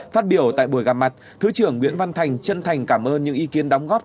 phát biểu tại buổi gặp mặt thứ trưởng nguyễn văn thành chân thành cảm ơn những ý kiến đóng góp